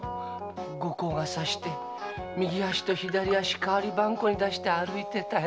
後光がさして右足と左足代わりばんこに出して歩いてたよ。